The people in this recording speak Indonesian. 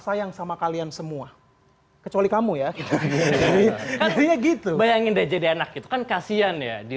sayang sama kalian semua kecuali kamu ya artinya gitu bayangin deh jadi anak itu kan kasian ya di